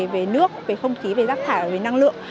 về nước về không khí về rác thải về năng lượng